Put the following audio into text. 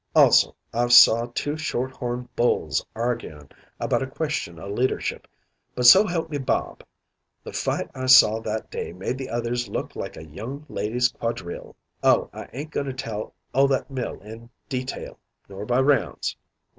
Also I've saw two short horn bulls arguin' about a question o' leadership, but so help me Bob the fight I saw that day made the others look like a young ladies' quadrille. Oh, I ain't goin' to tell o' that mill in detail, nor by rounds.